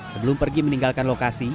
sebelum pergi meninggalkan lokasi